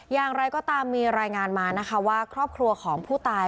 อย่างไรก็ตามมีรายงานมานะคะว่าครอบครัวของผู้ตาย